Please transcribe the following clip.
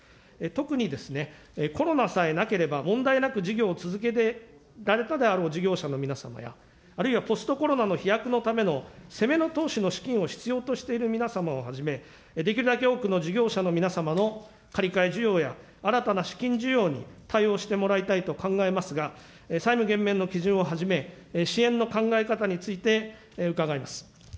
特にですね、コロナさえなければ問題なく事業を続けられたであろう事業者の皆様や、あるいはポストコロナの飛躍のための攻めの投資の資金を必要としている皆様をはじめ、できるだけ多くの事業者の皆様の借り換え需要や新たな資金需要に対応してもらいたいと考えますが、債務減免の基準をはじめ、支援の考え方について、伺います。